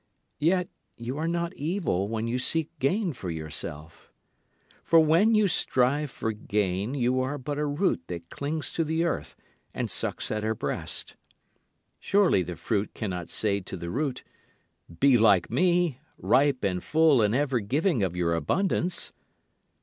Yet you are not evil when you seek gain for yourself. For when you strive for gain you are but a root that clings to the earth and sucks at her breast. Surely the fruit cannot say to the root, "Be like me, ripe and full and ever giving of your abundance."